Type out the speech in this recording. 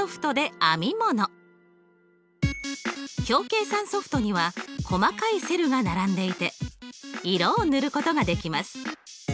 表計算ソフトには細かいセルが並んでいて色を塗ることができます。